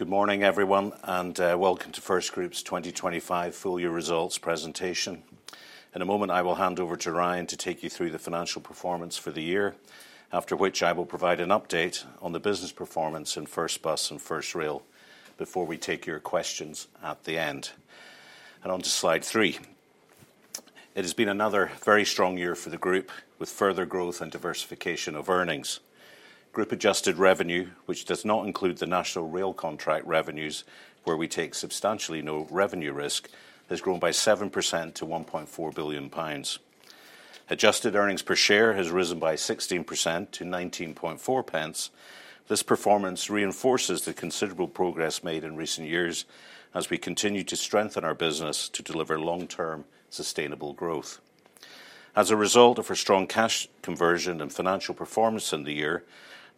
Good morning, everyone, and welcome to FirstGroup's 2025 full-year results presentation. In a moment, I will hand over to Ryan to take you through the financial performance for the year, after which I will provide an update on the business performance in FirstBus and FirstRail before we take your questions at the end. On to slide three. It has been another very strong year for the Group, with further growth and diversification of earnings. Group-adjusted revenue, which does not include the National Rail contract revenues, where we take substantially no revenue risk, has grown by 7% to 1.4 billion pounds. Adjusted earnings per share has risen by 16% to 19.4. This performance reinforces the considerable progress made in recent years as we continue to strengthen our business to deliver long-term sustainable growth. As a result of our strong cash conversion and financial performance in the year,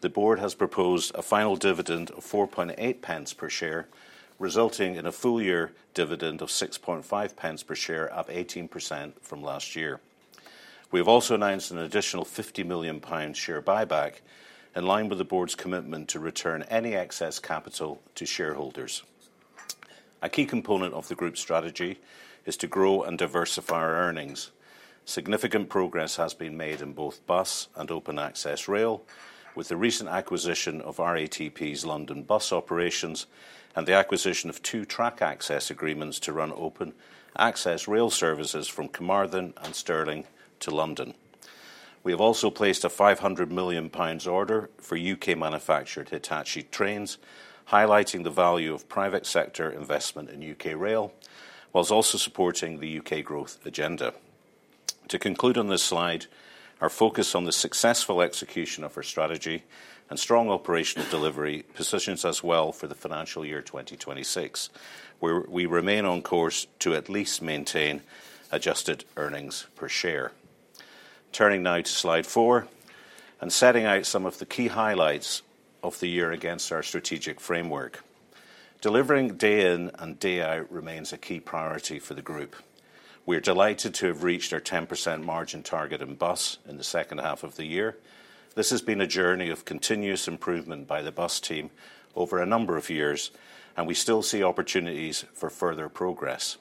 the Board has proposed a final dividend of 4.8 per share, resulting in a full-year dividend of 6.5 per share, up 18% from last year. We have also announced an additional 50 million pound share buyback, in line with the Board's commitment to return any excess capital to shareholders. A key component of the Group's strategy is to grow and diversify our earnings. Significant progress has been made in both bus and open-access rail, with the recent acquisition of RATP London Bus Operations and the acquisition of two track access agreements to run open-access rail services from Carmarthen and Stirling to London. We have also placed a 500 million pounds order for UK-manufactured Hitachi trains, highlighting the value of private sector investment in UK rail, whilst also supporting the UK growth agenda. To conclude on this slide, our focus on the successful execution of our strategy and strong operational delivery positions us well for the financial year 2026, where we remain on course to at least maintain adjusted earnings per share. Turning now to slide four and setting out some of the key highlights of the year against our strategic framework. Delivering day in and day out remains a key priority for the Group. We are delighted to have reached our 10% margin target in bus in the second half of the year. This has been a journey of continuous improvement by the bus team over a number of years, and we still see opportunities for further progress.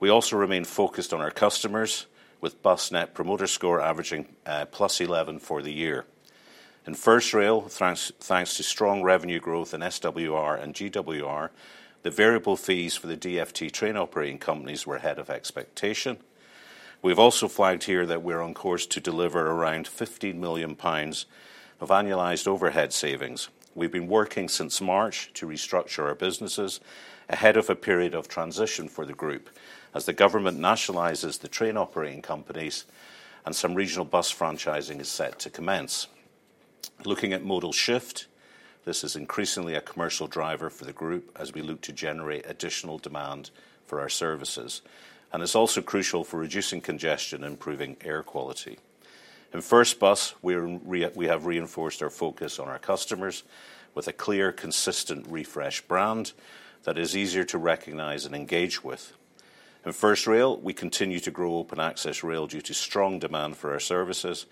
We also remain focused on our customers, with bus net promoter score averaging plus 11 for the year. In FirstRail, thanks to strong revenue growth in SWR and GWR, the variable fees for the DfT train operating companies were ahead of expectation. We have also flagged here that we are on course to deliver around 50 million pounds of annualized overhead savings. We have been working since March to restructure our businesses ahead of a period of transition for the Group, as the government nationalizes the train operating companies and some regional bus franchising is set to commence. Looking at modal shift, this is increasingly a commercial driver for the Group as we look to generate additional demand for our services, and it's also crucial for reducing congestion and improving air quality. In FirstBus, we have reinforced our focus on our customers with a clear, consistent refresh brand that is easier to recognize and engage with. In FirstRail, we continue to grow open-access rail due to strong demand for our services,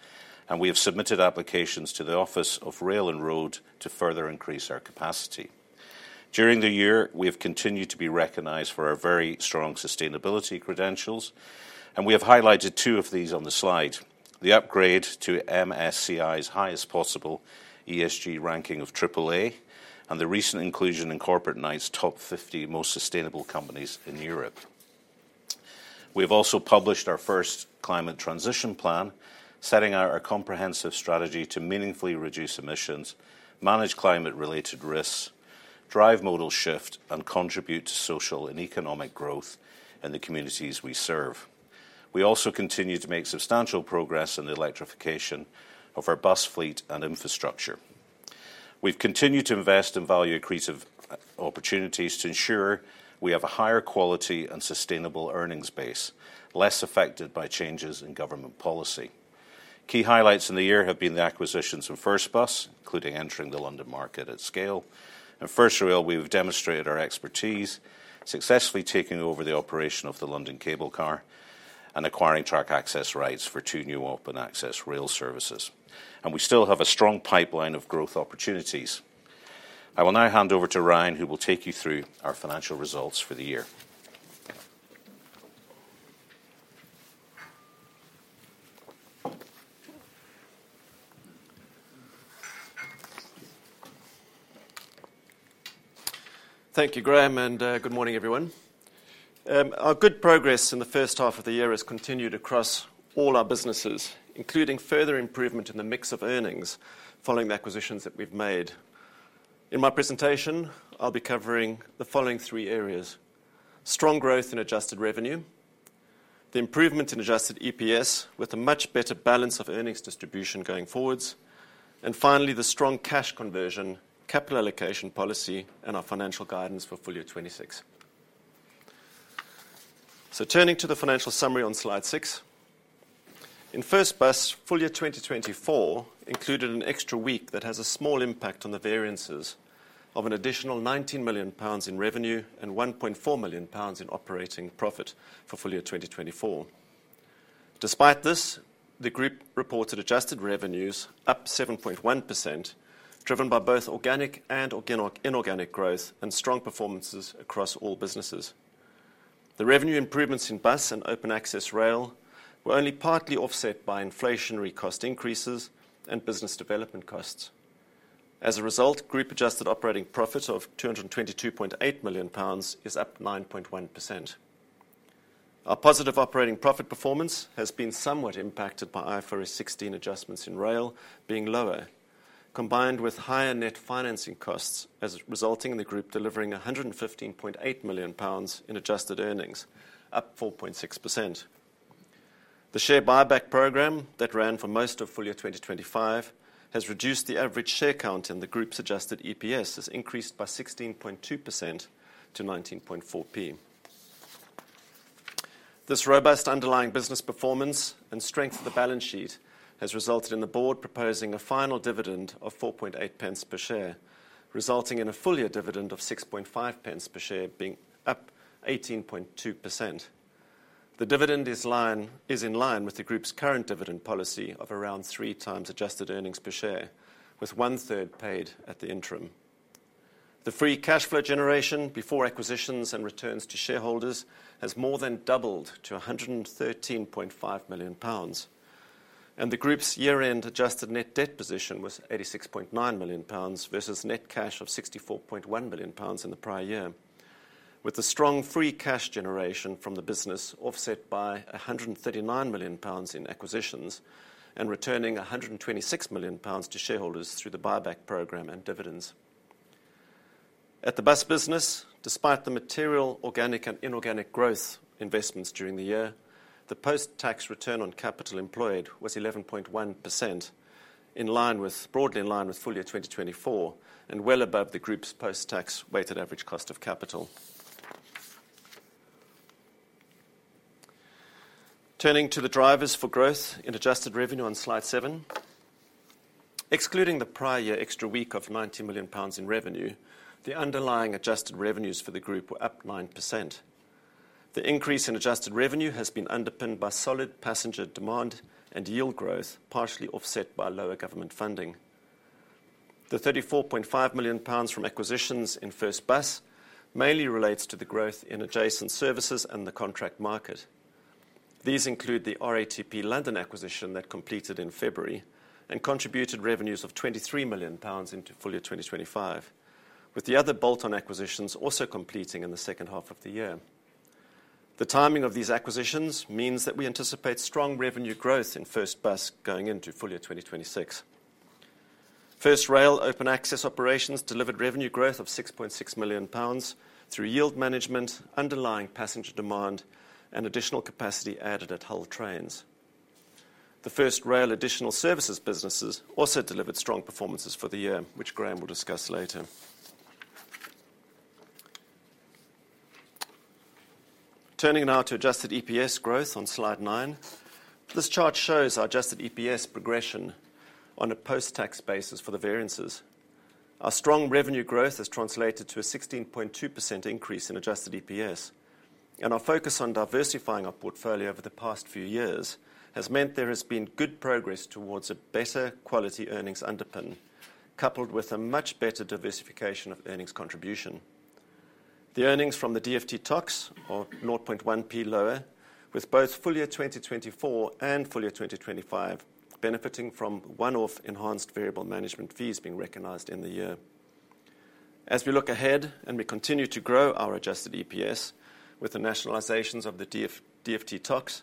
and we have submitted applications to the Office of Rail and Road to further increase our capacity. During the year, we have continued to be recognized for our very strong sustainability credentials, and we have highlighted two of these on the slide: the upgrade to MSCI's highest possible ESG ranking of AAA, and the recent inclusion in Corporate Knights' top 50 most sustainable companies in Europe. We have also published our first climate transition plan, setting out our comprehensive strategy to meaningfully reduce emissions, manage climate-related risks, drive modal shift, and contribute to social and economic growth in the communities we serve. We also continue to make substantial progress in the electrification of our bus fleet and infrastructure. We have continued to invest in value-accretive opportunities to ensure we have a higher quality and sustainable earnings base, less affected by changes in government policy. Key highlights in the year have been the acquisitions of FirstBus, including entering the London market at scale. In FirstRail, we have demonstrated our expertise, successfully taking over the operation of the London Cable Car and acquiring track access rights for two new open-access rail services. We still have a strong pipeline of growth opportunities. I will now hand over to Ryan, who will take you through our financial results for the year. Thank you, Graham, and good morning, everyone. Our good progress in the first half of the year has continued across all our businesses, including further improvement in the mix of earnings following the acquisitions that we've made. In my presentation, I'll be covering the following three areas: strong growth in adjusted revenue, the improvement in adjusted EPS with a much better balance of earnings distribution going forwards, and finally, the strong cash conversion, capital allocation policy, and our financial guidance for full year 2026. Turning to the financial summary on slide six, in FirstBus, full year 2024 included an extra week that has a small impact on the variances of an additional 19 million pounds in revenue and 1.4 million pounds in operating profit for full year 2024. Despite this, the Group reported adjusted revenues up 7.1%, driven by both organic and inorganic growth and strong performances across all businesses. The revenue improvements in bus and open-access rail were only partly offset by inflationary cost increases and business development costs. As a result, Group adjusted operating profit of 222.8 million pounds is up 9.1%. Our positive operating profit performance has been somewhat impacted by IFRS 16 adjustments in rail being lower, combined with higher net financing costs, resulting in the Group delivering 115.8 million pounds in adjusted earnings, up 4.6%. The share buyback programme that ran for most of full year 2025 has reduced the average share count in the Group's adjusted EPS, which has increased by 16.2% to 0.194. This robust underlying business performance and strength of the balance sheet has resulted in the Board proposing a final dividend of 0.048 per share, resulting in a full year dividend of 0.065 per share, being up 18.2%. The dividend is in line with the Group's current dividend policy of around three times adjusted earnings per share, with one third paid at the interim. The free cash flow generation before acquisitions and returns to shareholders has more than doubled to 113.5 million pounds, and the Group's year-end adjusted net debt position was 86.9 million pounds versus net cash of 64.1 million pounds in the prior year, with the strong free cash generation from the business offset by 139 million pounds in acquisitions and returning 126 million pounds to shareholders through the buyback programme and dividends. At the bus business, despite the material organic and inorganic growth investments during the year, the post-tax return on capital employed was 11.1%, broadly in line with full year 2024 and well above the Group's post-tax weighted average cost of capital. Turning to the drivers for growth in adjusted revenue on slide seven, excluding the prior year extra week of 90 million pounds in revenue, the underlying adjusted revenues for the Group were up 9%. The increase in adjusted revenue has been underpinned by solid passenger demand and yield growth, partially offset by lower government funding. The 34.5 million pounds from acquisitions in FirstBus mainly relates to the growth in adjacent services and the contract market. These include the RATP London acquisition that completed in February and contributed revenues of 23 million pounds into full year 2025, with the other bolt-on acquisitions also completing in the second half of the year. The timing of these acquisitions means that we anticipate strong revenue growth in FirstBus going into full year 2026. FirstRail open-access operations delivered revenue growth of 6.6 million pounds through yield management, underlying passenger demand, and additional capacity added at Hull Trains. The FirstRail additional services businesses also delivered strong performances for the year, which Graham will discuss later. Turning now to adjusted EPS growth on slide nine, this chart shows our adjusted EPS progression on a post-tax basis for the variances. Our strong revenue growth has translated to a 16.2% increase in adjusted EPS, and our focus on diversifying our portfolio over the past few years has meant there has been good progress towards a better quality earnings underpin, coupled with a much better diversification of earnings contribution. The earnings from the DfT TOCs are 0.1p lower, with both full year 2024 and full year 2025 benefiting from one-off enhanced variable management fees being recognized in the year. As we look ahead and we continue to grow our adjusted EPS with the nationalizations of the DfT TOCs,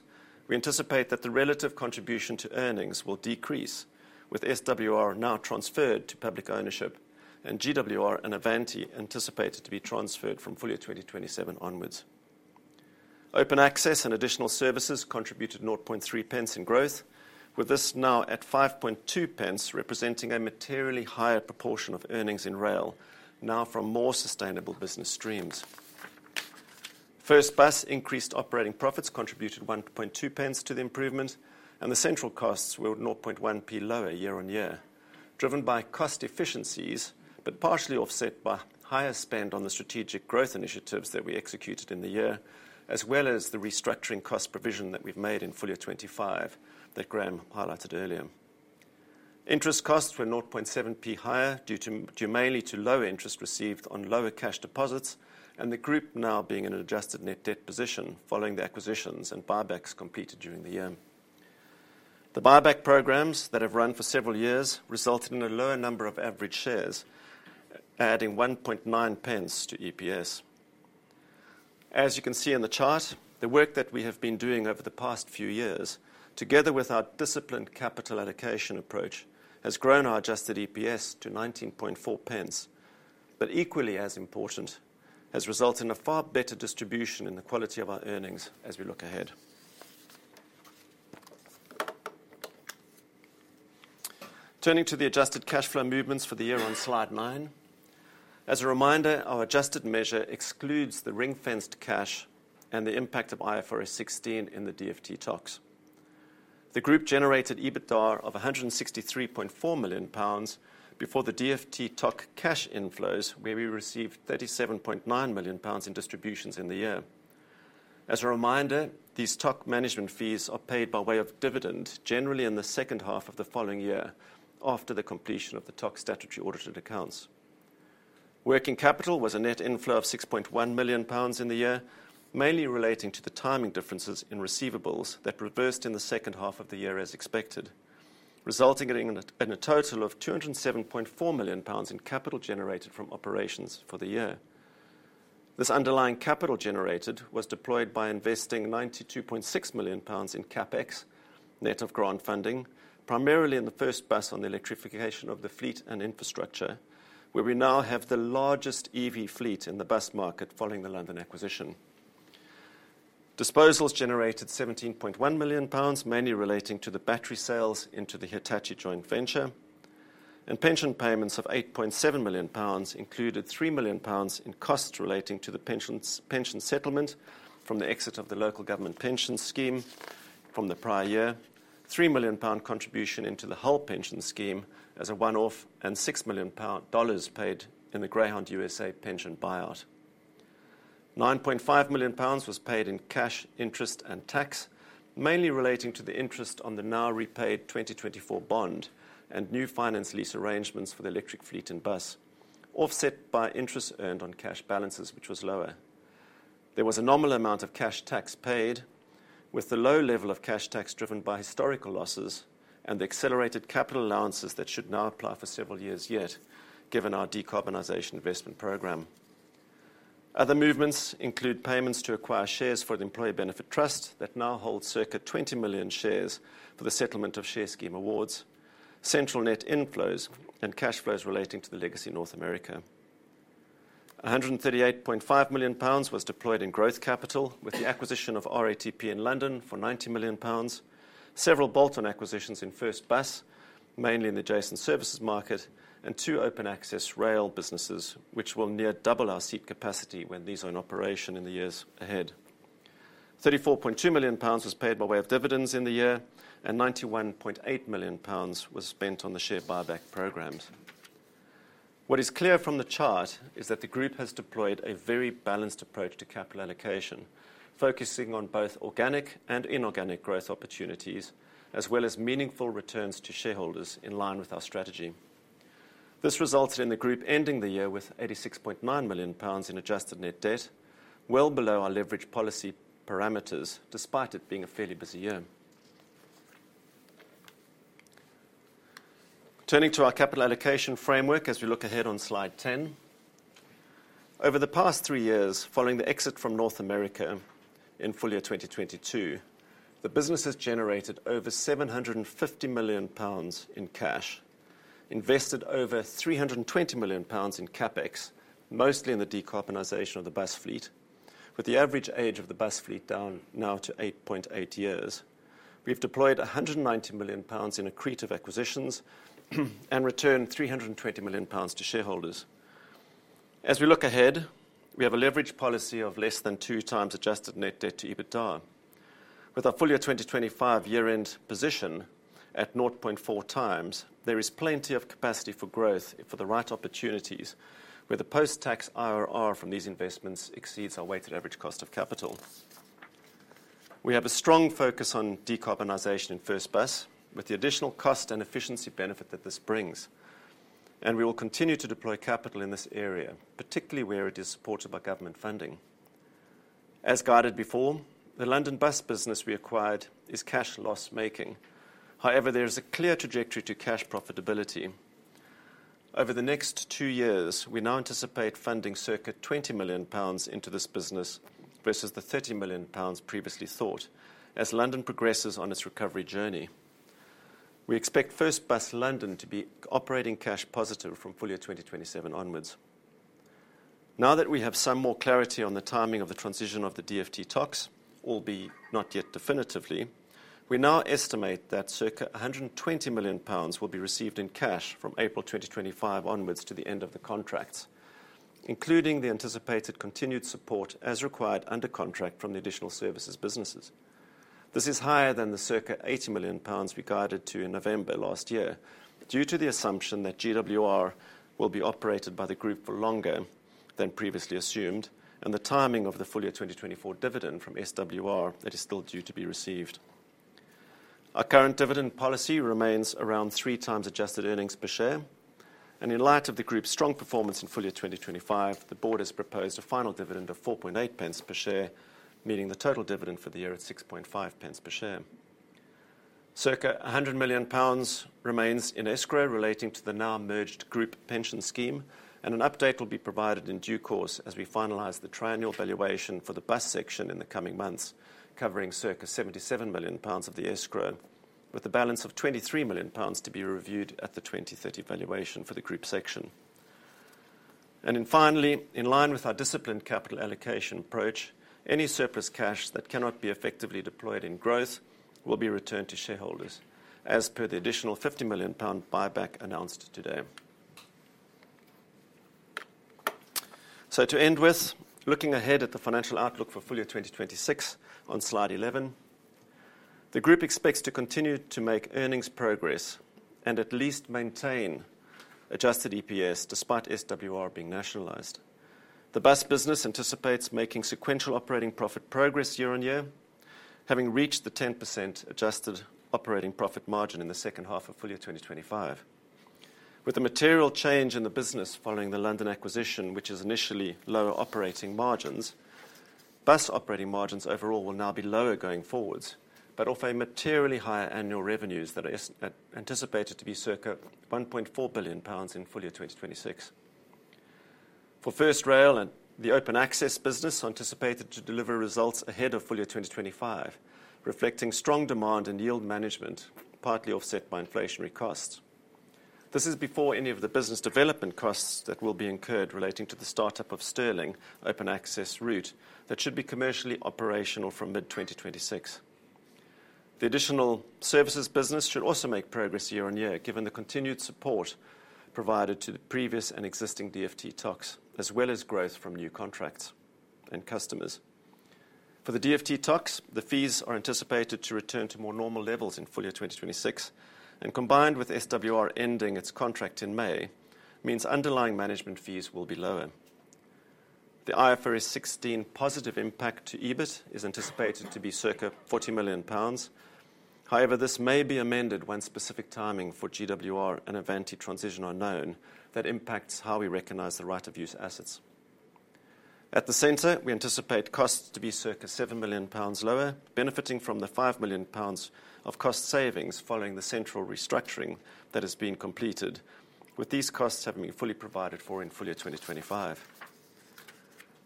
we anticipate that the relative contribution to earnings will decrease, with SWR now transferred to public ownership and GWR and Avanti anticipated to be transferred from full year 2027 onwards. Open access and additional services contributed 0.3p in growth, with this now at 5.2p, representing a materially higher proportion of earnings in rail, now from more sustainable business streams. FirstBus increased operating profits contributed 1.2p to the improvement, and the central costs were 0.1p lower year on year, driven by cost efficiencies, but partially offset by higher spend on the strategic growth initiatives that we executed in the year, as well as the restructuring cost provision that we have made in full year 2025 that Graham highlighted earlier. Interest costs were 0.7p higher due mainly to lower interest received on lower cash deposits, and the Group now being in an adjusted net debt position following the acquisitions and buybacks completed during the year. The buyback programmes that have run for several years resulted in a lower number of average shares, adding 1.9p to EPS. As you can see in the chart, the work that we have been doing over the past few years, together with our disciplined capital allocation approach, has grown our adjusted EPS to 19.4p, but equally as important has resulted in a far better distribution in the quality of our earnings as we look ahead. Turning to the adjusted cash flow movements for the year on slide nine, as a reminder, our adjusted measure excludes the ring-fenced cash and the impact of IFRS 16 in the DfT TOCs. The Group generated EBITDA of 163.4 million pounds before the DfT TOC cash inflows, where we received 37.9 million pounds in distributions in the year. As a reminder, these TOC management fees are paid by way of dividend, generally in the second half of the following year after the completion of the TOC statutory audited accounts. Working capital was a net inflow of 6.1 million pounds in the year, mainly relating to the timing differences in receivables that reversed in the second half of the year as expected, resulting in a total of 207.4 million pounds in capital generated from operations for the year. This underlying capital generated was deployed by investing GBP 92.6 million in CapEx, net of grant funding, primarily in the FirstBus on the electrification of the fleet and infrastructure, where we now have the largest EV fleet in the bus market following the London acquisition. Disposals generated 17.1 million pounds, mainly relating to the battery sales into the Hitachi joint venture, and pension payments of 8.7 million pounds included 3 million pounds in costs relating to the pension settlement from the exit of the local government pension scheme from the prior year, 3 million pound contribution into the Hull pension scheme as a one-off, and $6 million paid in the Greyhound USA pension buyout. 9.5 million pounds was paid in cash, interest, and tax, mainly relating to the interest on the now repaid 2024 bond and new finance lease arrangements for the electric fleet and bus, offset by interest earned on cash balances, which was lower. There was a nominal amount of cash tax paid, with the low level of cash tax driven by historical losses and the accelerated capital allowances that should now apply for several years yet, given our decarbonization investment program. Other movements include payments to acquire shares for the Employee Benefit Trust that now holds circa 20 million shares for the settlement of share scheme awards, central net inflows and cash flows relating to the legacy North America. 138.5 million pounds was deployed in growth capital with the acquisition of RATP in London for 90 million pounds, several bolt-on acquisitions in FirstBus, mainly in the adjacent services market, and two open-access rail businesses, which will near double our seat capacity when these are in operation in the years ahead. 34.2 million pounds was paid by way of dividends in the year, and 91.8 million pounds was spent on the share buyback programmes. What is clear from the chart is that the Group has deployed a very balanced approach to capital allocation, focusing on both organic and inorganic growth opportunities, as well as meaningful returns to shareholders in line with our strategy. This resulted in the Group ending the year with 86.9 million pounds in adjusted net debt, well below our leveraged policy parameters, despite it being a fairly busy year. Turning to our capital allocation framework as we look ahead on slide ten, over the past three years, following the exit from North America in full year 2022, the business has generated over 750 million pounds in cash, invested over 320 million pounds in CapEx, mostly in the decarbonization of the bus fleet, with the average age of the bus fleet down now to 8.8 years. We've deployed 190 million pounds in accretive acquisitions and returned 320 million pounds to shareholders. As we look ahead, we have a leveraged policy of less than two times adjusted net debt to EBITDA. With our full year 2025 year-end position at 0.4 times, there is plenty of capacity for growth for the right opportunities, where the post-tax IRR from these investments exceeds our weighted average cost of capital. We have a strong focus on decarbonization in FirstBus, with the additional cost and efficiency benefit that this brings, and we will continue to deploy capital in this area, particularly where it is supported by government funding. As guided before, the London bus business we acquired is cash loss making. However, there is a clear trajectory to cash profitability. Over the next two years, we now anticipate funding circa 20 million pounds into this business versus the 30 million pounds previously thought, as London progresses on its recovery journey. We expect FirstBus London to be operating cash positive from full year 2027 onwards. Now that we have some more clarity on the timing of the transition of the DfT TOCs, albeit not yet definitively, we now estimate that circa 120 million pounds will be received in cash from April 2025 onwards to the end of the contracts, including the anticipated continued support as required under contract from the additional services businesses. This is higher than the circa 80 million pounds we guided to in November last year, due to the assumption that GWR will be operated by the Group for longer than previously assumed, and the timing of the full year 2024 dividend from SWR that is still due to be received. Our current dividend policy remains around three times adjusted earnings per share, and in light of the Group's strong performance in full year 2025, the Board has proposed a final dividend of 4.8 per share, meaning the total dividend for the year at 6.5 per share. Circa 100 million pounds remains in escrow relating to the now merged Group pension scheme, and an update will be provided in due course as we finalize the triennial valuation for the bus section in the coming months, covering circa 77 million pounds of the escrow, with the balance of 23 million pounds to be reviewed at the 2030 valuation for the Group section. Finally, in line with our disciplined capital allocation approach, any surplus cash that cannot be effectively deployed in growth will be returned to shareholders, as per the additional 50 million pound buyback announced today. To end with, looking ahead at the financial outlook for full year 2026 on slide 11, the Group expects to continue to make earnings progress and at least maintain adjusted EPS despite SWR being nationalized. The bus business anticipates making sequential operating profit progress year on year, having reached the 10% adjusted operating profit margin in the second half of full year 2025. With the material change in the business following the London acquisition, which has initially lower operating margins, bus operating margins overall will now be lower going forwards, but offer materially higher annual revenues that are anticipated to be circa 1.4 billion pounds in full year 2026. For FirstRail and the open access business, anticipated to deliver results ahead of full year 2025, reflecting strong demand and yield management, partly offset by inflationary costs. This is before any of the business development costs that will be incurred relating to the start-up of Stirling open access route that should be commercially operational from mid-2026. The additional services business should also make progress year on year, given the continued support provided to the previous and existing DfT TOCs, as well as growth from new contracts and customers. For the DfT TOCs, the fees are anticipated to return to more normal levels in full year 2026, and combined with SWR ending its contract in May, means underlying management fees will be lower. The IFRS 16 positive impact to EBIT is anticipated to be circa 40 million pounds. However, this may be amended when specific timing for GWR and Avanti transition are known that impacts how we recognize the right of use assets. At the center, we anticipate costs to be circa 7 million pounds lower, benefiting from the 5 million pounds of cost savings following the central restructuring that has been completed, with these costs having been fully provided for in full year 2025.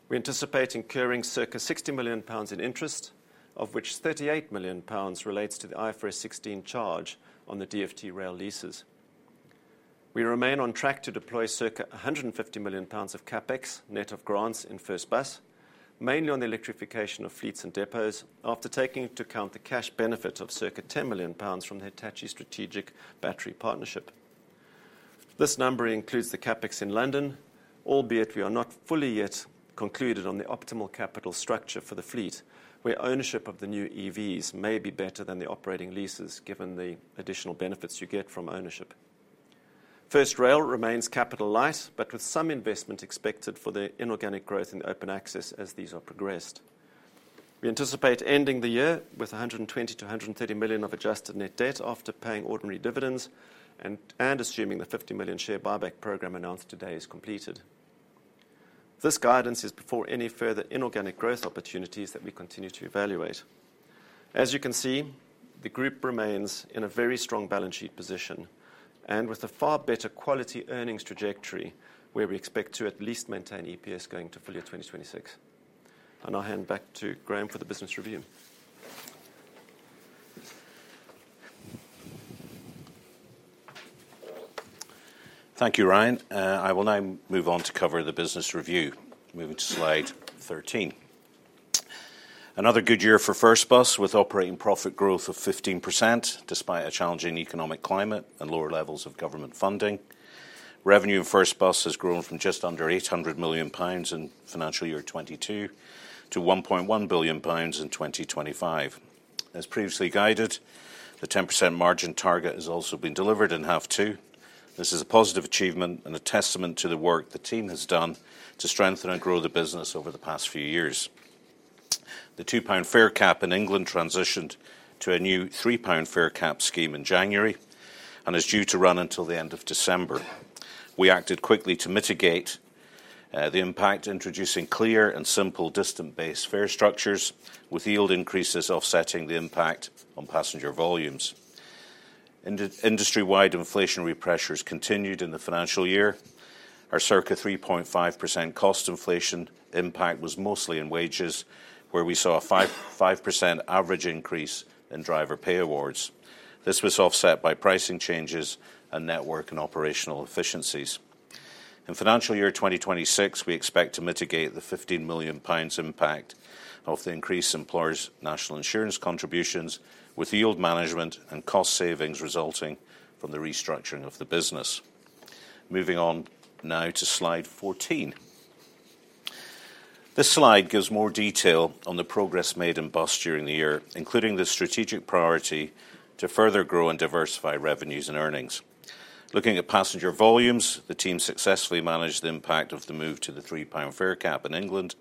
We anticipate incurring circa 60 million pounds in interest, of which 38 million pounds relates to the IFRS 16 charge on the DfT rail leases. We remain on track to deploy circa 150 million pounds of CapEx net of grants in FirstBus, mainly on the electrification of fleets and depots, after taking into account the cash benefit of circa 10 million pounds from the Hitachi strategic battery partnership. This number includes the CapEx in London, albeit we are not fully yet concluded on the optimal capital structure for the fleet, where ownership of the new EVs may be better than the operating leases, given the additional benefits you get from ownership. FirstRail remains capital light, but with some investment expected for the inorganic growth in the open access as these are progressed. We anticipate ending the year with 120 million-130 million of adjusted net debt after paying ordinary dividends and assuming the 50 million share buyback programme announced today is completed. This guidance is before any further inorganic growth opportunities that we continue to evaluate. As you can see, the Group remains in a very strong balance sheet position and with a far better quality earnings trajectory, where we expect to at least maintain EPS going to full year 2026. I now hand back to Graham for the business review. Thank you, Ryan. I will now move on to cover the business review, moving to slide 13. Another good year for FirstBus, with operating profit growth of 15% despite a challenging economic climate and lower levels of government funding. Revenue of FirstBus has grown from just under 800 million pounds in financial year 2022 to 1.1 billion pounds in 2025. As previously guided, the 10% margin target has also been delivered in half two. This is a positive achievement and a testament to the work the team has done to strengthen and grow the business over the past few years. The 2 pound fare cap in England transitioned to a new 3 pound fare cap scheme in January and is due to run until the end of December. We acted quickly to mitigate the impact, introducing clear and simple distance-based fare structures, with yield increases offsetting the impact on passenger volumes. Industry-wide inflationary pressures continued in the financial year. Our circa 3.5% cost inflation impact was mostly in wages, where we saw a 5% average increase in driver pay awards. This was offset by pricing changes and network and operational efficiencies. In financial year 2026, we expect to mitigate the 15 million pounds impact of the increased employer's national insurance contributions, with yield management and cost savings resulting from the restructuring of the business. Moving on now to slide 14. This slide gives more detail on the progress made in bus during the year, including the strategic priority to further grow and diversify revenues and earnings. Looking at passenger volumes, the team successfully managed the impact of the move to the 3 pound fare cap in England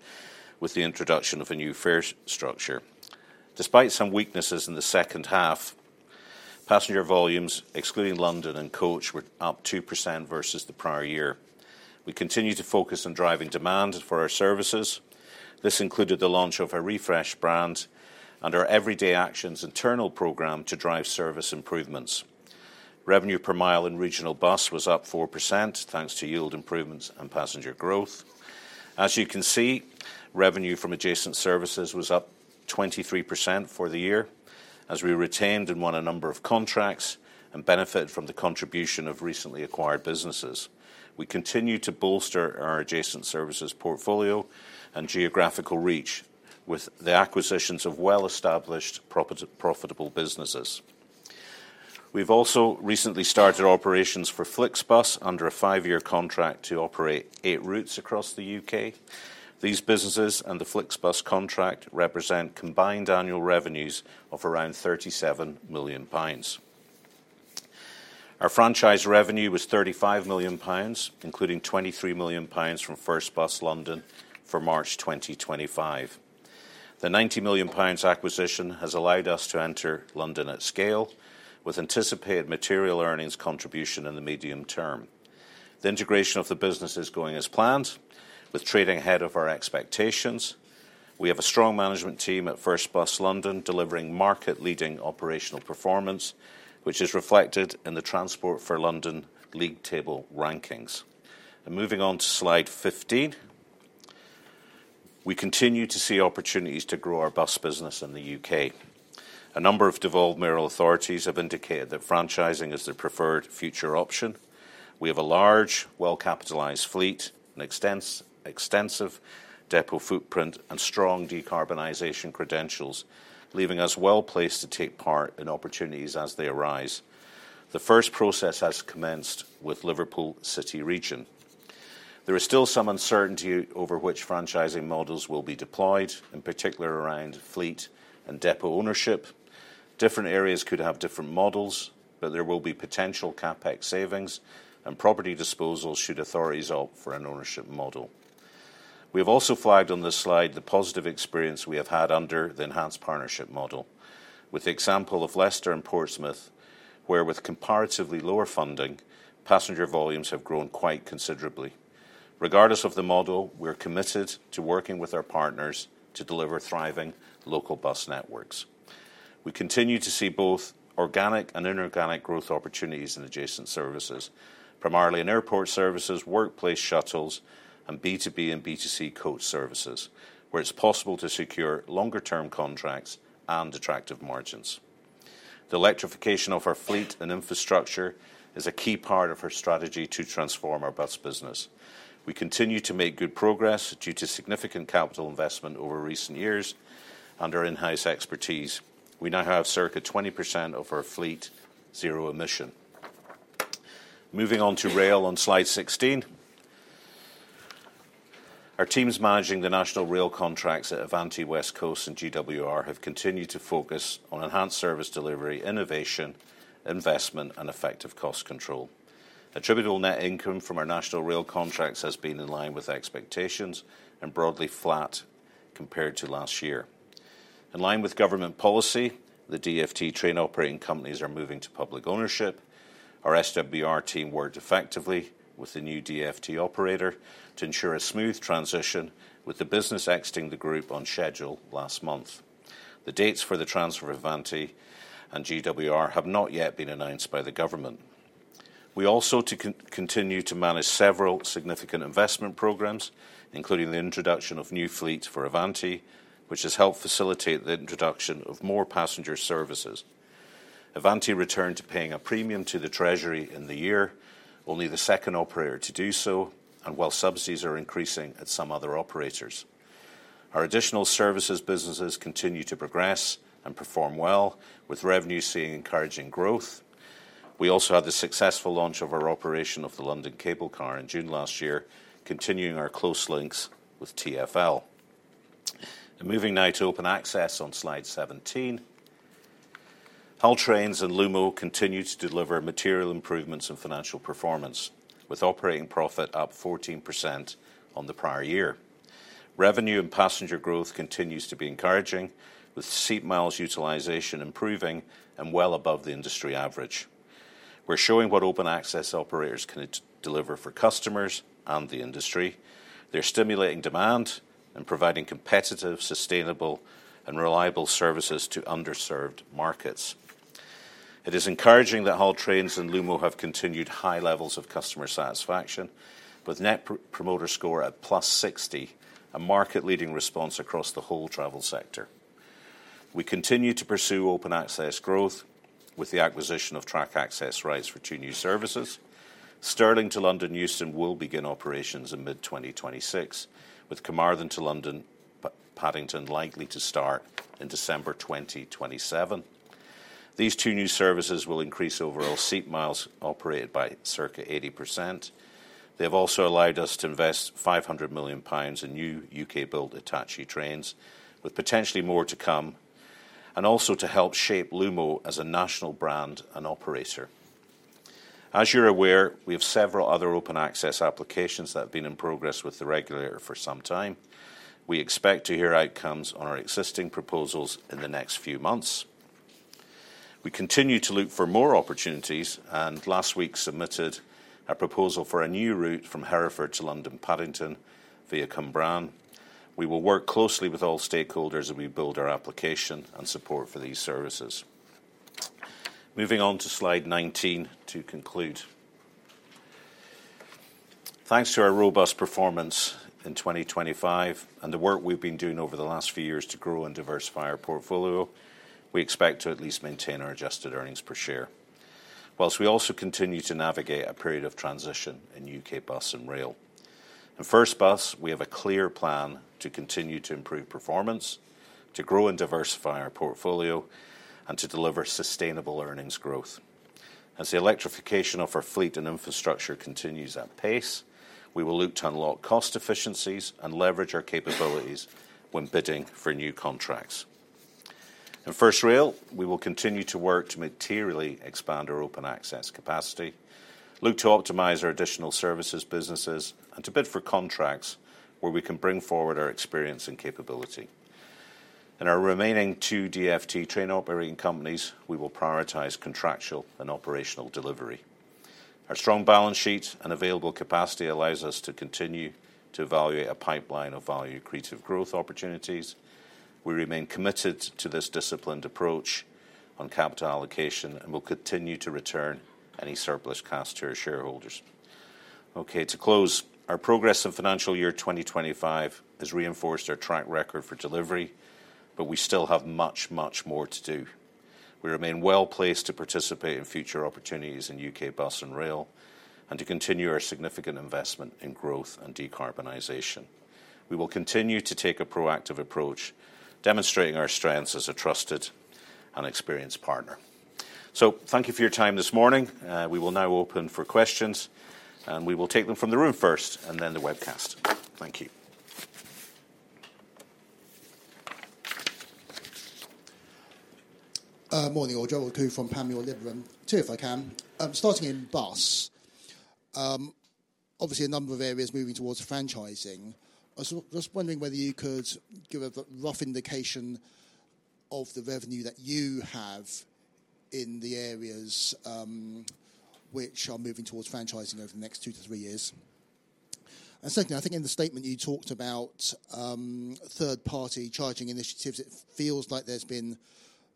with the introduction of a new fare structure. Despite some weaknesses in the second half, passenger volumes, excluding London and Coach, were up 2% versus the prior year. We continued to focus on driving demand for our services. This included the launch of a refreshed brand and our Everyday Actions internal program to drive service improvements. Revenue per mile in regional bus was up 4%, thanks to yield improvements and passenger growth. As you can see, revenue from adjacent services was up 23% for the year, as we retained and won a number of contracts and benefited from the contribution of recently acquired businesses. We continue to bolster our adjacent services portfolio and geographical reach with the acquisitions of well-established profitable businesses. We've also recently started operations for FlixBus under a five-year contract to operate eight routes across the U.K. These businesses and the FlixBus contract represent combined annual revenues of around 37 million pounds. Our franchise revenue was 35 million pounds, including 23 million pounds from FirstBus London for March 2025. The 90 million pounds acquisition has allowed us to enter London at scale, with anticipated material earnings contribution in the medium term. The integration of the business is going as planned, with trading ahead of our expectations. We have a strong management team at FirstBus London delivering market-leading operational performance, which is reflected in the Transport for London league table rankings. Moving on to slide 15, we continue to see opportunities to grow our bus business in the U.K. A number of devolved mayoral authorities have indicated that franchising is their preferred future option. We have a large, well-capitalized fleet, an extensive depot footprint, and strong decarbonization credentials, leaving us well placed to take part in opportunities as they arise. The first process has commenced with Liverpool City Region. There is still some uncertainty over which franchising models will be deployed, in particular around fleet and depot ownership. Different areas could have different models, but there will be potential CapEx savings, and property disposals should authorities opt for an ownership model. We have also flagged on this slide the positive experience we have had under the enhanced partnership model, with the example of Leicester and Portsmouth, where with comparatively lower funding, passenger volumes have grown quite considerably. Regardless of the model, we're committed to working with our partners to deliver thriving local bus networks. We continue to see both organic and inorganic growth opportunities in adjacent services, primarily in airport services, workplace shuttles, and B2B and B2C coach services, where it's possible to secure longer-term contracts and attractive margins. The electrification of our fleet and infrastructure is a key part of our strategy to transform our bus business. We continue to make good progress due to significant capital investment over recent years and our in-house expertise. We now have circa 20% of our fleet zero emission. Moving on to rail on slide 16, our teams managing the national rail contracts at Avanti West Coast and GWR have continued to focus on enhanced service delivery, innovation, investment, and effective cost control. Attributable net income from our national rail contracts has been in line with expectations and broadly flat compared to last year. In line with government policy, the DfT train operating companies are moving to public ownership. Our SWR team worked effectively with the new DfT operator to ensure a smooth transition, with the business exiting the Group on schedule last month. The dates for the transfer of Avanti and GWR have not yet been announced by the government. We also continue to manage several significant investment programmes, including the introduction of new fleets for Avanti, which has helped facilitate the introduction of more passenger services. Avanti returned to paying a premium to the Treasury in the year, only the second operator to do so, and while subsidies are increasing at some other operators. Our additional services businesses continue to progress and perform well, with revenues seeing encouraging growth. We also had the successful launch of our operation of the London Cable Car in June last year, continuing our close links with TfL. Moving now to open access on slide 17, Hull Trains and Lumo continue to deliver material improvements in financial performance, with operating profit up 14% on the prior year. Revenue and passenger growth continues to be encouraging, with seat miles utilization improving and well above the industry average. We're showing what open access operators can deliver for customers and the industry. They're stimulating demand and providing competitive, sustainable, and reliable services to underserved markets. It is encouraging that Hull Trains and Lumo have continued high levels of customer satisfaction, with net promoter score at +60, a market-leading response across the whole travel sector. We continue to pursue open access growth with the acquisition of track access rights for two new services. Stirling to London Euston will begin operations in mid-2026, with Carmarthen to London Paddington likely to start in December 2027. These two new services will increase overall seat miles operated by circa 80%. They have also allowed us to invest 500 million pounds in new UK-built Hitachi trains, with potentially more to come, and also to help shape Lumo as a national brand and operator. As you're aware, we have several other open access applications that have been in progress with the regulator for some time. We expect to hear outcomes on our existing proposals in the next few months. We continue to look for more opportunities and last week submitted a proposal for a new route from Hereford to London Paddington via Cwmbran. We will work closely with all stakeholders as we build our application and support for these services. Moving on to slide 19 to conclude. Thanks to our robust performance in 2025 and the work we have been doing over the last few years to grow and diversify our portfolio, we expect to at least maintain our adjusted earnings per share, whilst we also continue to navigate a period of transition in U.K. bus and rail. In FirstBus, we have a clear plan to continue to improve performance, to grow and diversify our portfolio, and to deliver sustainable earnings growth. As the electrification of our fleet and infrastructure continues at pace, we will look to unlock cost efficiencies and leverage our capabilities when bidding for new contracts. In FirstRail, we will continue to work to materially expand our open access capacity, look to optimize our additional services businesses, and to bid for contracts where we can bring forward our experience and capability. In our remaining two DfT train operating companies, we will prioritize contractual and operational delivery. Our strong balance sheet and available capacity allows us to continue to evaluate a pipeline of value creative growth opportunities. We remain committed to this disciplined approach on capital allocation and will continue to return any surplus cash to our shareholders. Okay, to close, our progress in financial year 2025 has reinforced our track record for delivery, but we still have much, much more to do. We remain well placed to participate in future opportunities in U.K. bus and rail and to continue our significant investment in growth and decarbonization. We will continue to take a proactive approach, demonstrating our strengths as a trusted and experienced partner. Thank you for your time this morning. We will now open for questions, and we will take them from the room first and then the webcast. Thank you. Morning all. Joel Coo from Pamela Lybrum, too, if I can. Starting in bus, obviously a number of areas moving towards franchising. I was just wondering whether you could give a rough indication of the revenue that you have in the areas which are moving towards franchising over the next two to three years. Secondly, I think in the statement you talked about third-party charging initiatives, it feels like there's been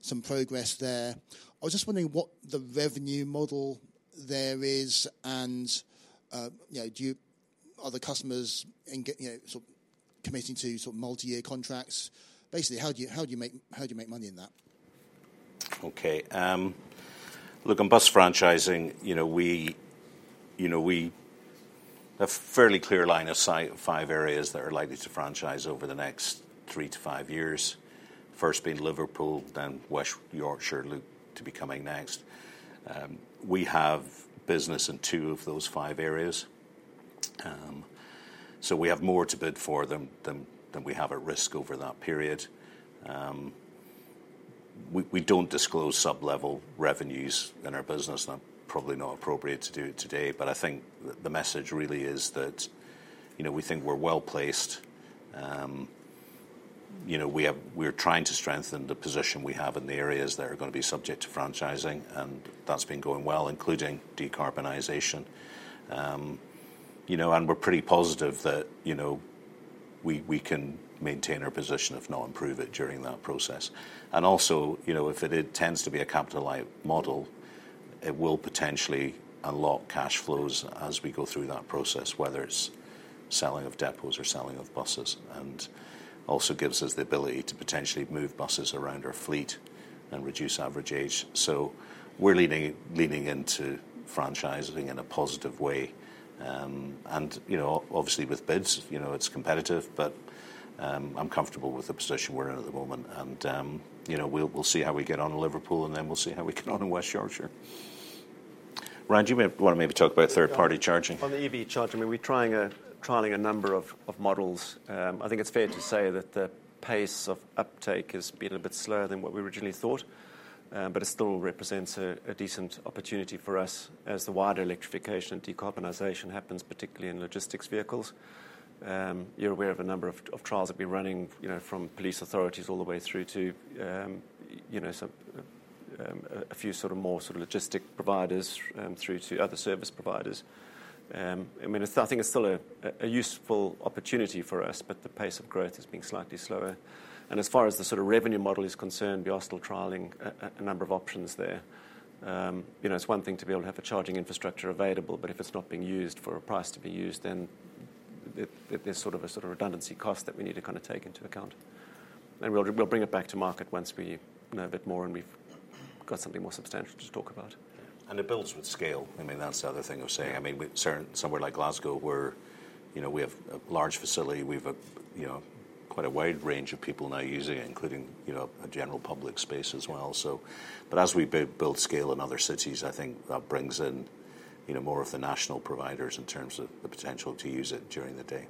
some progress there. I was just wondering what the revenue model there is and, you know, do you, are the customers committing to sort of multi-year contracts? Basically, how do you make money in that? Okay. Look, on bus franchising, we have a fairly clear line of sight of five areas that are likely to franchise over the next three to five years, first being Liverpool, then West Yorkshire look to be coming next. We have business in two of those five areas, so we have more to bid for than we have at risk over that period. We do not disclose sub-level revenues in our business, and that is probably not appropriate to do today, but I think the message really is that we think we are well placed. We are trying to strengthen the position we have in the areas that are going to be subject to franchising, and that has been going well, including decarbonisation. We are pretty positive that we can maintain our position if not improve it during that process. If it tends to be a capital model, it will potentially unlock cash flows as we go through that process, whether it is selling of depots or selling of buses, and also gives us the ability to potentially move buses around our fleet and reduce average age. We are leaning into franchising in a positive way. Obviously, with bids, it is competitive, but I am comfortable with the position we are in at the moment. We will see how we get on in Liverpool, and then we will see how we get on in West Yorkshire. Ryan, do you want to maybe talk about third-party charging? On the EV charging, we are trialling a number of models. I think it's fair to say that the pace of uptake has been a bit slower than what we originally thought, but it still represents a decent opportunity for us as the wider electrification and decarbonization happens, particularly in logistics vehicles. You're aware of a number of trials that have been running from police authorities all the way through to a few more sort of logistic providers through to other service providers. I mean, I think it's still a useful opportunity for us, but the pace of growth has been slightly slower. As far as the sort of revenue model is concerned, we are still trialing a number of options there. It's one thing to be able to have a charging infrastructure available, but if it's not being used for a price to be used, then there's sort of a redundancy cost that we need to kind of take into account. We'll bring it back to market once we know a bit more and we've got something more substantial to talk about. It builds with scale. I mean, that's the other thing I was saying. I mean, somewhere like Glasgow, where we have a large facility, we have quite a wide range of people now using it, including a general public space as well. As we build scale in other cities, I think that brings in more of the national providers in terms of the potential to use it during the day.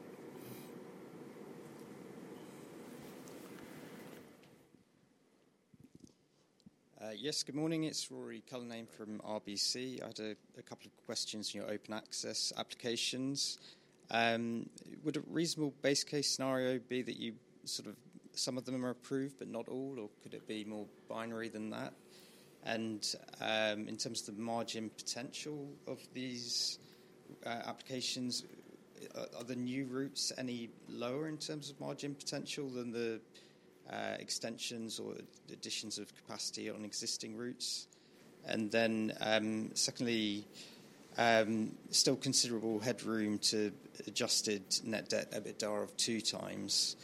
Yes, good morning. It's Rory Cullenay from RBC. I had a couple of questions in your open access applications. Would a reasonable base case scenario be that some of them are approved, but not all, or could it be more binary than that? In terms of the margin potential of these applications, are the new routes any lower in terms of margin potential than the extensions or additions of capacity on existing routes? Secondly, still considerable headroom to adjusted net debt at a bit of two times.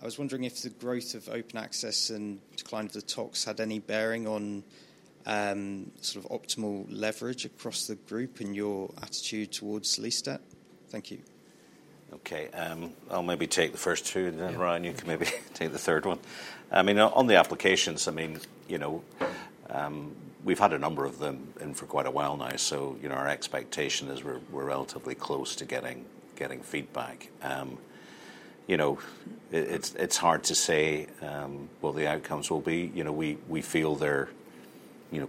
I was wondering if the growth of open access and decline of the talks had any bearing on sort of optimal leverage across the group and your attitude towards lease debt? Thank you. Okay. I'll maybe take the first two, and then Ryan, you can maybe take the third one. I mean, on the applications, I mean, we've had a number of them in for quite a while now, so our expectation is we're relatively close to getting feedback. It's hard to say what the outcomes will be. We feel they're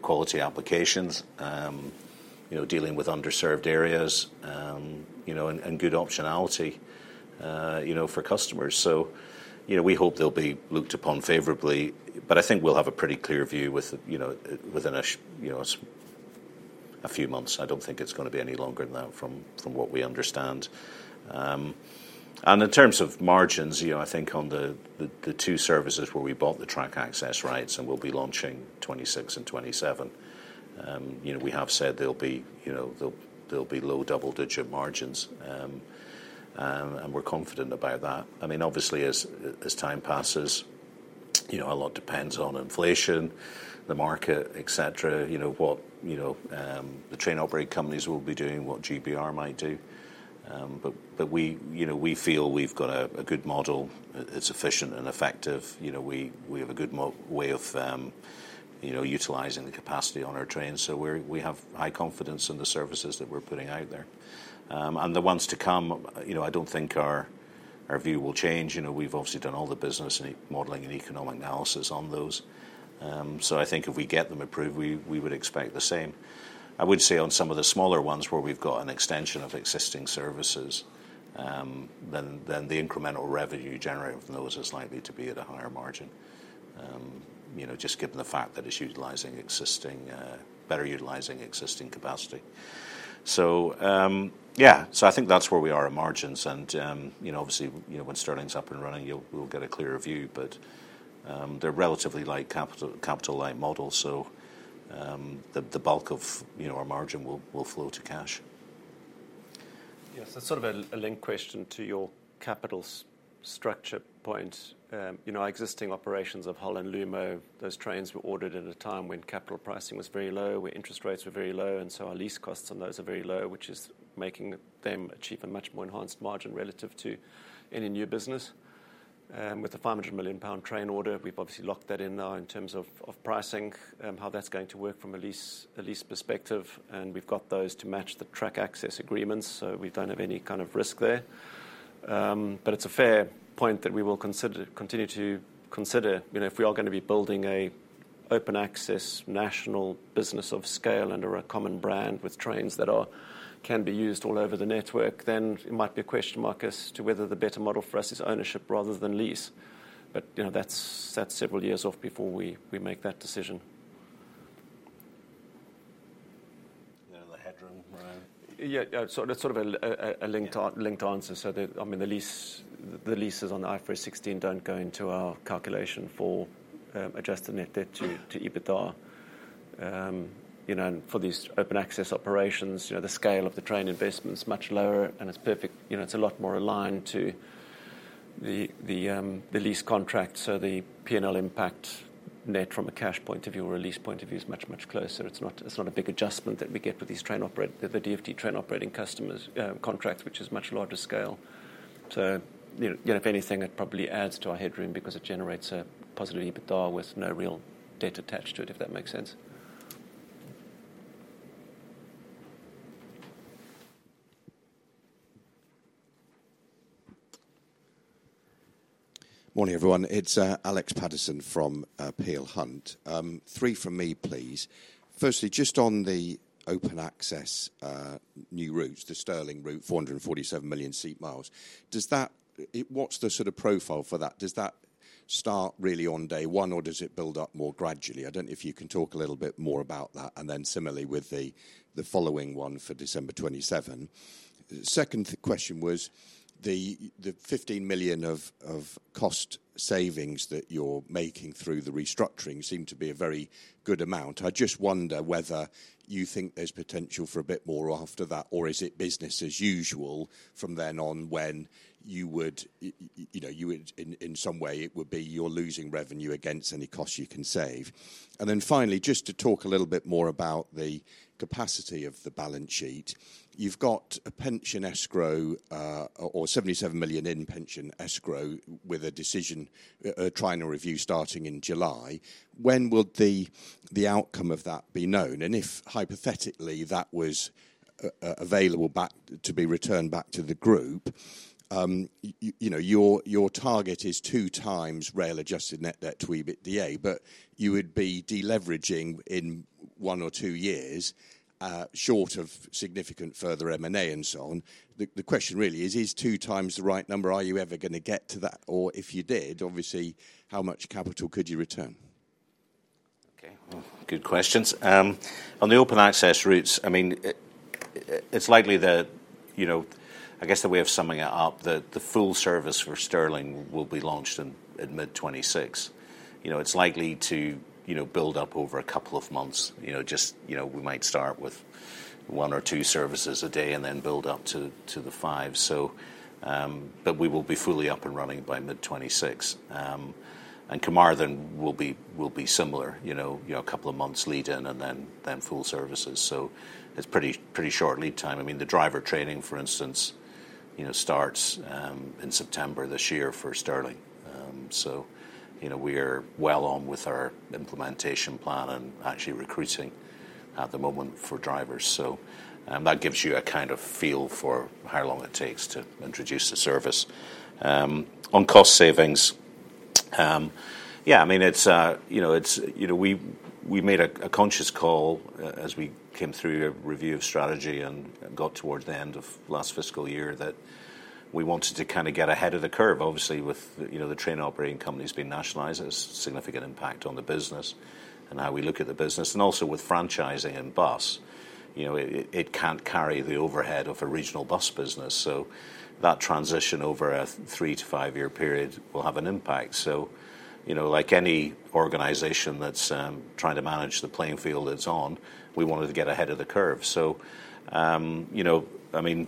quality applications, dealing with underserved areas and good optionality for customers. We hope they'll be looked upon favorably, but I think we'll have a pretty clear view within a few months. I don't think it's going to be any longer than that from what we understand. In terms of margins, I think on the two services where we bought the track access rights and we'll be launching 2026 and 2027, we have said there'll be low double-digit margins, and we're confident about that. I mean, obviously, as time passes, a lot depends on inflation, the market, etc., what the train operating companies will be doing, what GBR might do. We feel we've got a good model. It's efficient and effective. We have a good way of utilizing the capacity on our trains, so we have high confidence in the services that we're putting out there. The ones to come, I don't think our view will change. We've obviously done all the business and modeling and economic analysis on those. I think if we get them approved, we would expect the same. I would say on some of the smaller ones where we've got an extension of existing services, then the incremental revenue generated from those is likely to be at a higher margin, just given the fact that it's better utilizing existing capacity. Yeah, I think that's where we are in margins. Obviously, when Stirling's up and running, we'll get a clearer view, but they're relatively capital-light models, so the bulk of our margin will flow to cash. Yes, that's sort of a link question to your capital structure point. Our existing operations of Hull and Lumo, those trains were ordered at a time when capital pricing was very low, where interest rates were very low, and so our lease costs on those are very low, which is making them achieve a much more enhanced margin relative to any new business. With the 500 million pound train order, we've obviously locked that in now in terms of pricing, how that's going to work from a lease perspective, and we've got those to match the track access agreements, so we don't have any kind of risk there. It is a fair point that we will continue to consider if we are going to be building an open access national business of scale under a common brand with trains that can be used all over the network, then it might be a question mark as to whether the better model for us is ownership rather than lease. That is several years off before we make that decision. The headroom, Ryan? Yeah, that is sort of a linked answer. I mean, the leases on the IFRS 16 do not go into our calculation for adjusted net debt to EBITDA. For these open access operations, the scale of the train investment is much lower, and it is a lot more aligned to the lease contract. The P&L impact net from a cash point of view or a lease point of view is much, much closer. It's not a big adjustment that we get with the DfT train operating customers' contracts, which is much larger scale. If anything, it probably adds to our headroom because it generates a positive EBITDA with no real debt attached to it, if that makes sense. Morning, everyone. It's Alex Patterson from Peel Hunt. Three from me, please. Firstly, just on the open-access new routes, the Stirling route, 447 million seat miles, what's the sort of profile for that? Does that start really on day one, or does it build up more gradually? I don't know if you can talk a little bit more about that. Similarly with the following one for December 2027. Second question was the 15 million of cost savings that you're making through the restructuring seem to be a very good amount. I just wonder whether you think there's potential for a bit more after that, or is it business as usual from then on when you would, in some way, it would be you're losing revenue against any cost you can save. Finally, just to talk a little bit more about the capacity of the balance sheet, you've got 77 million in pension escrow with a decision, a trial review starting in July. When will the outcome of that be known? If hypothetically that was available to be returned back to the group, your target is two times rail adjusted net debt to EBITDA, but you would be deleveraging in one or two years short of significant further M&A and so on. The question really is, is two times the right number? Are you ever going to get to that? Or if you did, obviously, how much capital could you return? Okay. Good questions. On the open-access routes, I mean, it's likely that, I guess the way of summing it up, the full service for Stirling will be launched in mid-2026. It's likely to build up over a couple of months. We might start with one or two services a day and then build up to the five. We will be fully up and running by mid-2026. Carmarthen will be similar, a couple of months lead-in and then full services. It's a pretty short lead time. I mean, the driver training, for instance, starts in September this year for Stirling. We are well on with our implementation plan and actually recruiting at the moment for drivers. That gives you a kind of feel for how long it takes to introduce the service. On cost savings, yeah, I mean, we made a conscious call as we came through a review of strategy and got towards the end of last fiscal year that we wanted to kind of get ahead of the curve. Obviously, with the train operating companies being nationalized, it has a significant impact on the business and how we look at the business. Also, with franchising and bus, it cannot carry the overhead of a regional bus business. That transition over a three- to five-year period will have an impact. Like any organization that is trying to manage the playing field it is on, we wanted to get ahead of the curve. I mean,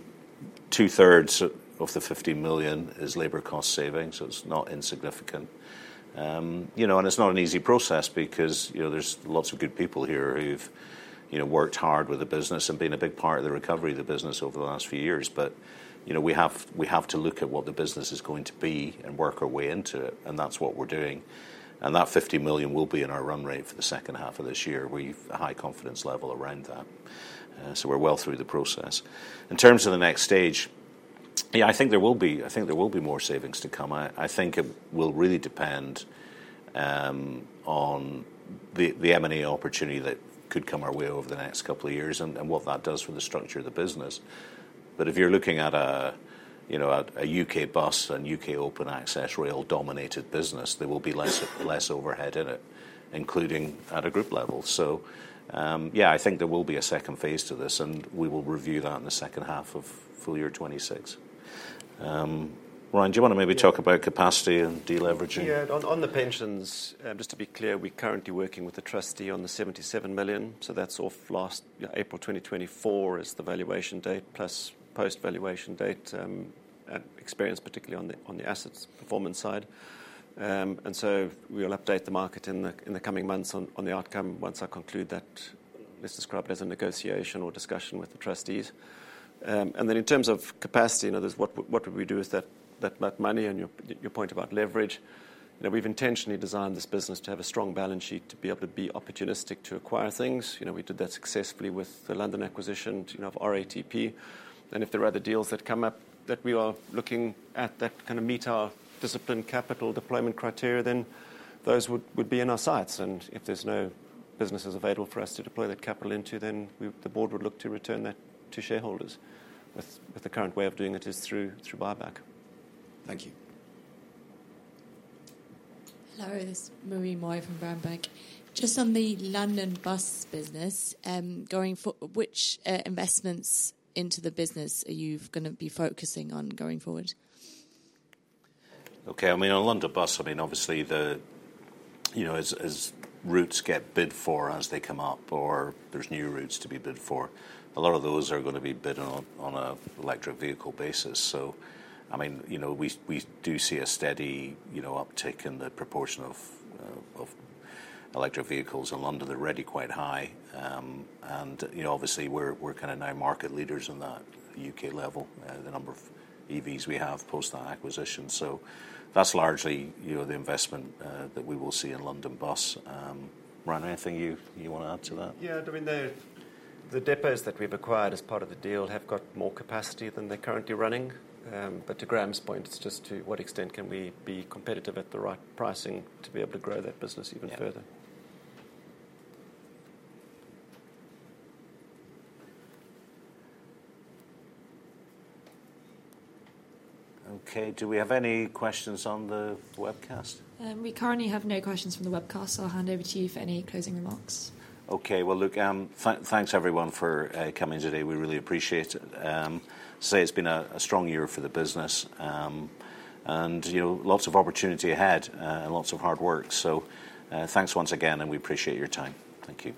two-thirds of the 15 million is labor cost savings, so it is not insignificant. It is not an easy process because there are lots of good people here who have worked hard with the business and been a big part of the recovery of the business over the last few years. We have to look at what the business is going to be and work our way into it, and that is what we are doing. That 15 million will be in our run rate for the second half of this year. We have a high confidence level around that. We are well through the process. In terms of the next stage, I think there will be more savings to come. I think it will really depend on the M&A opportunity that could come our way over the next couple of years and what that does for the structure of the business. If you're looking at a U.K. bus and U.K. open access rail dominated business, there will be less overhead in it, including at a group level. Yeah, I think there will be a second phase to this, and we will review that in the second half of full year 2026. Ryan, do you want to maybe talk about capacity and deleveraging? Yeah. On the pensions, just to be clear, we're currently working with the trustee on the 77 million. That's off last April 2024 as the valuation date plus post-valuation date and experience, particularly on the assets performance side. We will update the market in the coming months on the outcome once I conclude that. Let's describe it as a negotiation or discussion with the trustees. In terms of capacity, what we do is that money and your point about leverage, we have intentionally designed this business to have a strong balance sheet to be able to be opportunistic to acquire things. We did that successfully with the London acquisition of RATP. If there are other deals that come up that we are looking at that kind of meet our discipline capital deployment criteria, then those would be in our sights. If there are no businesses available for us to deploy that capital into, the board would look to return that to shareholders. The current way of doing it is through buyback. Thank you. Hello, this is Marie Moy from Brown Bank. Just on the London bus business, which investments into the business are you going to be focusing on going forward? Okay. I mean, on London bus, I mean, obviously, as routes get bid for as they come up or there's new routes to be bid for, a lot of those are going to be bid on an electric vehicle basis. I mean, we do see a steady uptick in the proportion of electric vehicles in London. They're already quite high. Obviously, we're kind of now market leaders in that U.K. level, the number of EVs we have post-acquisition. That's largely the investment that we will see in London bus. Ryan, anything you want to add to that? Yeah. I mean, the depots that we've acquired as part of the deal have got more capacity than they're currently running. To Graham's point, it's just to what extent can we be competitive at the right pricing to be able to grow that business even further? Okay. Do we have any questions on the webcast? We currently have no questions from the webcast, so I'll hand over to you for any closing remarks. Okay. Look, thanks everyone for coming today. We really appreciate it. It has been a strong year for the business and lots of opportunity ahead and lots of hard work. Thanks once again, and we appreciate your time. Thank you.